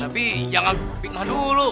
tapi jangan fitnah dulu